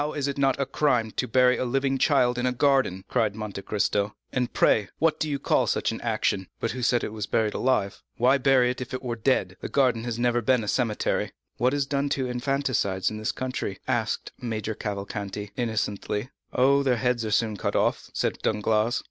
is it not a crime to bury a living child in a garden?" cried Monte Cristo. "And pray what do you call such an action?" "But who said it was buried alive?" "Why bury it there if it were dead? This garden has never been a cemetery." "What is done to infanticides in this country?" asked Major Cavalcanti innocently. "Oh, their heads are soon cut off," said Danglars.